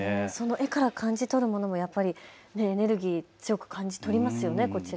山から感じるもの、エネルギー強く感じ取りますよね。